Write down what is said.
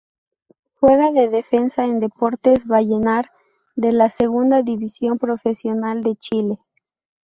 Juega de defensa en Deportes Vallenar de la Segunda División Profesional de Chile.